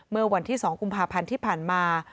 เมื่อวันที่๒กุมภาพันธ์ที่ผ่านมา